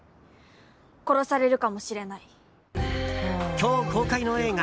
今日公開の映画